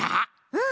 うん。